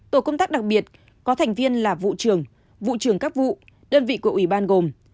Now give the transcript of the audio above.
tổ công tác đặc biệt có thành viên là vụ trường vụ trường các vụ đơn vị của uban gồm